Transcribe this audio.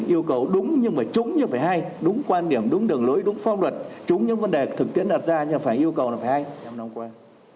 yêu cầu đúng nhưng phải trúng như phải hay đúng quan điểm đúng đường lối đúng phong luật trúng những vấn đề thực tiễn đặt ra nhưng phải yêu cầu là phải hay